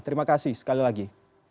terima kasih sekali lagi